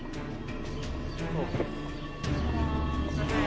・すみません。